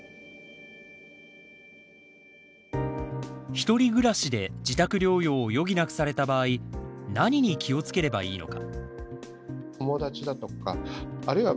一人暮らしで自宅療養を余儀なくされた場合何に気をつければいいのか。